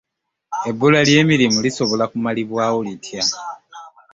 Ebbula ly'emirimu lisobola kumalibwaawo litya?